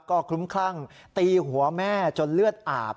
ก็คลุ้มคลั่งตีหัวแม่จนเลือดอาบ